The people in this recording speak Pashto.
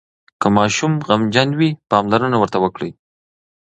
که ماشوم غمجن وي، پاملرنه ورته وکړئ.